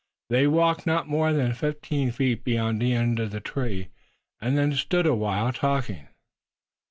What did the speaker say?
They walked not more than fifteen feet beyond the end of the tree, and then stood a while talking.